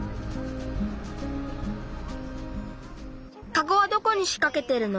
カゴはどこにしかけてるの？